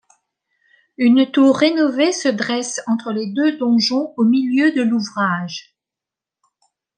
Une tour rénovée se dresse entre les deux donjons au milieu de l'ouvrage.